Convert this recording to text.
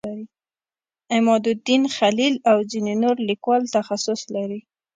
عمادالدین خلیل او ځینې نور لیکوال تخصص لري.